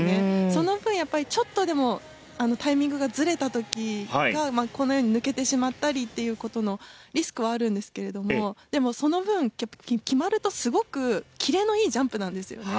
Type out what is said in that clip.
その分やっぱりちょっとでもタイミングがずれた時がこのように抜けてしまったりっていう事のリスクはあるんですけれどもでもその分決まるとすごくキレのいいジャンプなんですよね。